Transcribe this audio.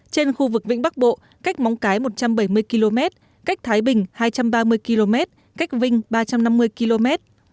trên khu vực vĩnh bắc bộ cách móng cái một trăm bảy mươi km cách thái bình hai trăm ba mươi km cách vinh ba trăm năm mươi km